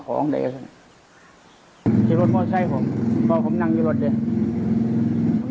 ขอของเดยกับฉันพ่อใช่ผมพ่อผมนั่งอยู่รถด้วยผม